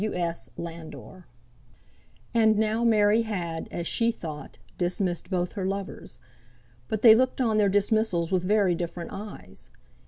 W. S. LANDOR. And now Mary had, as she thought, dismissed both her lovers. But they looked on their dismissals with very different eyes.